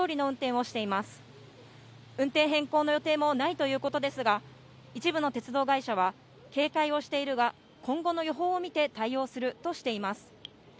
運転変更の予定もないということですが、一部の鉄道会社は、警戒をしているが、今後の予報を見て対応するとしています。